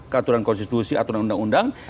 aturan konstitusi aturan undang undang